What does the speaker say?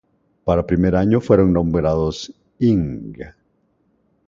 Para Primer Año fueron nombrados: Ing.